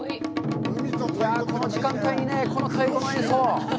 この時間帯にこの太鼓の演奏。